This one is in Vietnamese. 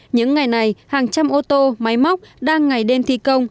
những ngày này hàng trăm ô tô máy móc đang ngày đêm thi công